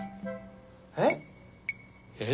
えっ？えっ？